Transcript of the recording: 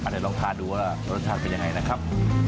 เดี๋ยวลองทานดูว่ารสชาติเป็นยังไงนะครับ